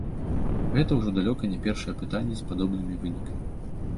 Гэта ўжо далёка не першае апытанне з падобнымі вынікамі.